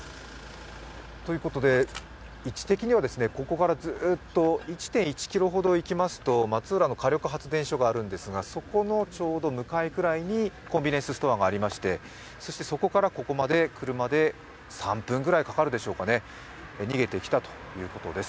位置的にはここからずっと１．１ｋｍほど行きますと松浦の火力発電所があるんですが、そこのちょうど向かいくらいにコンビニエンスストアがあってそしてそこからここまで車で３分ぐらいかかるでしょうかね、逃げてきたということです。